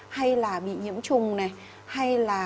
hay là bị nhiễm trùng này